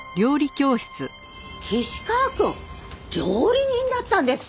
岸川くん料理人だったんですか！